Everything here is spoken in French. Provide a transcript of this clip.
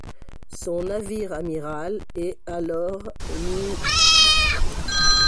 Son navire-amiral est alors l'.